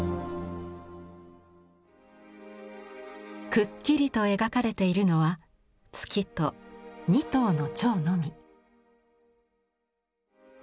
くっきりと描かれているのは月と２頭の蝶のみ。